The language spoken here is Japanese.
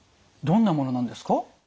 どんなものなんですか？